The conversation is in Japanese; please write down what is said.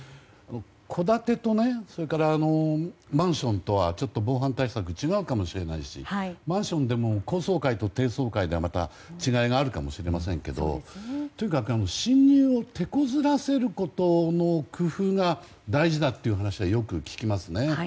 戸建てとマンションとはちょっと防犯対策違うかもしれないしマンションでも高層階と低層階ではまた違いがあるかもしれませんけどとにかく侵入をてこずらせることの工夫が大事だという話はよく聞きますね。